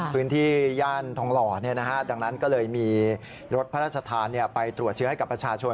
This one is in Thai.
ย่านทองหล่อดังนั้นก็เลยมีรถพระราชทานไปตรวจเชื้อให้กับประชาชน